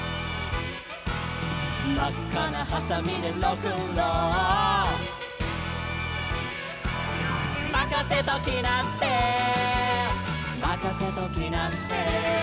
「まっかなはさみでロックンロール」「まかせときなってまかせときなって」